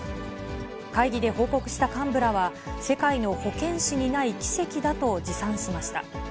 会議で報告した幹部らは、世界の保健史にない奇跡だと自賛しました。